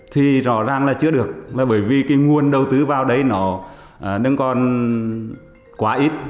thì rõ ràng là chưa được bởi vì nguồn đầu tư vào đấy nó còn quá ít